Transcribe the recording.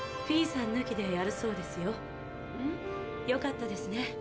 フィーさんぬきでやるそうですよ。よかったですね。